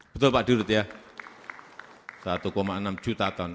betul pak durut ya satu enam juta ton